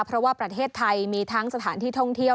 เพราะว่าประเทศไทยมีทั้งสถานที่ท่องเที่ยว